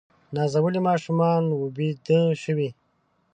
نازولي ماشومان وه بیده شوي